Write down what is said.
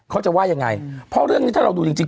เขาจะว่ายังไงเพราะเรื่องนี้ถ้าเราดูจริงจริง